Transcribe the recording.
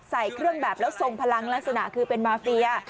ใส่เครื่องแบบแล้วทรงพลังลักษณะคือเป็นมาเฟีย